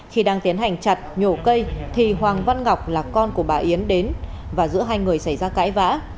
khi đang tiến hành chặt nhổ cây thì hoàng văn ngọc là con của bà yến đến và giữa hai người xảy ra cãi vã